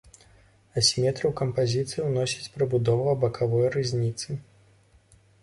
Асіметрыю ў кампазіцыю ўносіць прыбудова бакавой рызніцы.